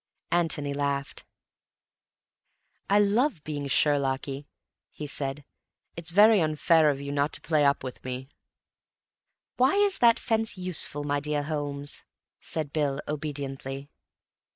Antony laughed. "I love being Sherlocky," he said. "It's very unfair of you not to play up to me." "Why is that fence useful, my dear Holmes?" said Bill obediently.